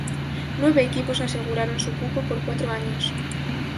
Nueve equipos aseguraron su cupo por cuatro años.